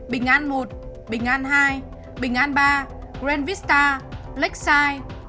bình an một bình an hai bình an ba grand vista lakeside